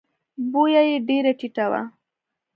بویه یې ډېره ټیټه وه.